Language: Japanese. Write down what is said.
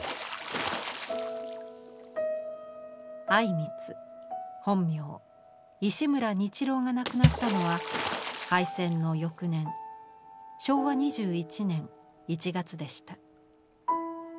靉光本名石村日郎が亡くなったのは敗戦の翌年昭和２１年１月でした。